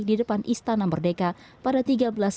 di depan istana merdeka pada tiga belas